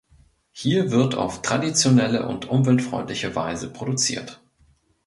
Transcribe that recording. Hier wird auf traditionelle und umweltfreundliche Weise produziert.